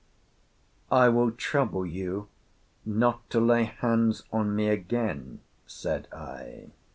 "'I will trouble you not to lay hands on me again,' said I.